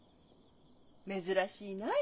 珍しいない。